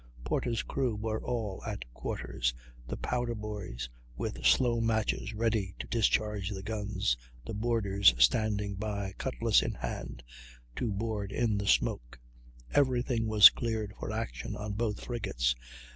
Porter's crew were all at quarters, the powder boys with slow matches ready to discharge the guns, the boarders standing by, cutlass in hand, to board in the smoke; every thing was cleared for action on both frigates.